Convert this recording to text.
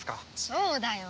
そうだよ。